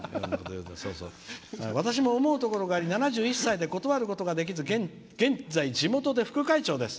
「私も思うことがあり断ることができず現在地元で副会長です」。